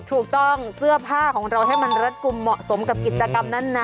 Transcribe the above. ถูกต้องเสื้อผ้าของเราให้มันรัดกลุ่มเหมาะสมกับกิจกรรมนั้นนะ